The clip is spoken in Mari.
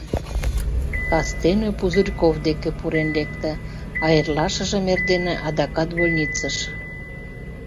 Кастене Пузырьков деке пурен лекте, а эрлашыжым эрдене — адакат больницыш.